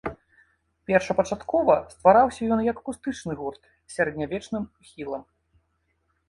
Першапачаткова ствараўся ён як акустычны гурт з сярэднявечным ухілам.